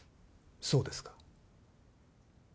そうですか。